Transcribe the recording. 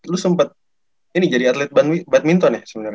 lu sempet ini jadi atlet badminton ya sebenernya